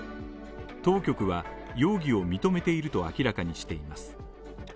当局は容疑を認めていると明らかにしています。